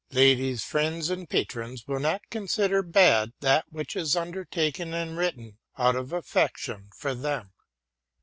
Ladies, friends, and patrons will not consider bad that which is under taken and written out of affection for them.